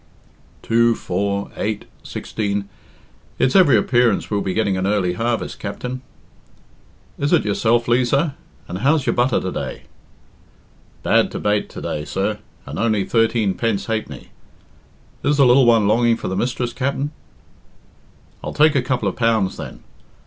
"Two four eight sixteen it's every appearance we'll be getting a early harvest, Capt'n." "Is it yourself, Liza? And how's your butter to day?" "Bad to bate to day, sir, and only thirteen pence ha'penny. Is the lil one longing for the mistress, Capt'n?" "I'll take a couple of pounds, then.